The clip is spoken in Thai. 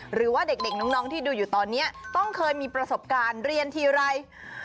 หรือว่าเด็กน้องที่ดูอยู่ตอนนี้ต้องเคยมีประสบการณ์เรียนทีไร